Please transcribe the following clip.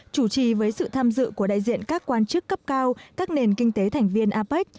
chủ trì với sự tham dự của đại diện các quan chức cấp cao các nền kinh tế thành viên apec